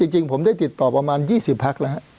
จริงผมได้ติดต่อประมาณ๒๐พักแล้ว